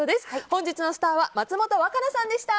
本日のスターは松本若菜さんでした。